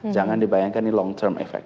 jangan dibayangkan ini long term efek